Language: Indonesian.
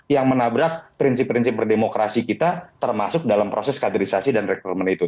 yang menabrak prinsip prinsip berdemokrasi kita termasuk dalam proses kaderisasi dan rekrutmen itu